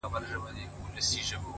• د خان خبره وه د خلکو او د کلي سلا,